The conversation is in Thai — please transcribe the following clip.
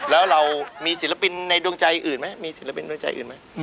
แล้วเรามีศิลปินในดวงใจอื่นไหมมีศิลปินดวงใจอื่นไหม